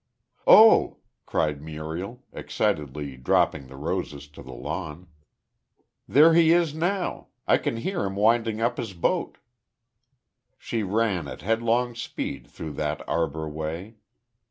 "Oh!" cried Muriel, excitedly dropping the roses to the lawn. "There he is now! I can hear him winding up his boat!" She rang at headlong speed through that arbor way.